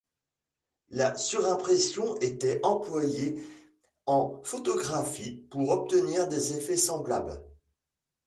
La surimpression était employée en photographie pour obtenir des effets semblables.